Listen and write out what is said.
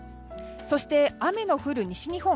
そして、雨の降る西日本